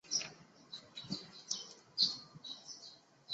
唐肃宗的驸马。